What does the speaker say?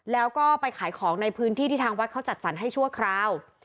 แล้วก็ไปขายของในพื้นที่ที่ทางวัดเขาจัดสรรให้ชั่วคราว